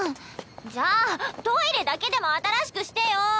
じゃあトイレだけでも新しくしてよ。